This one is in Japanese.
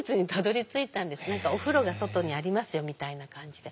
お風呂が外にありますよみたいな感じで。